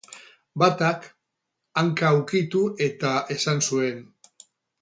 Batak, hanka ukitu eta esan zuen.